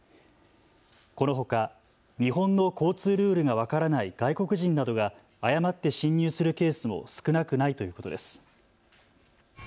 このほか日本の交通ルールが分からない外国人などが誤って進入するケースも少なくないということです。